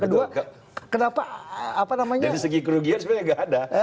dari segi kerugian sebenarnya nggak ada